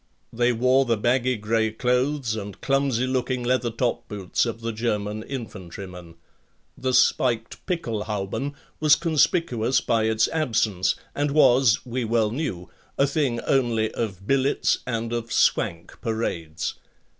They wore the baggy grey clothes and clumsy looking leather top boots of the German infantryman. The spiked pickelhauben was conspicuous by its absence and was, we well knew, a thing only of billets and of "swank" parades.